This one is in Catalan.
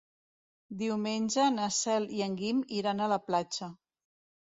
Diumenge na Cel i en Guim iran a la platja.